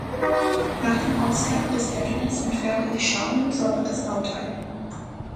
Nach dem Aushärten des Betons entfernt er die Schalung und säubert das Bauteil.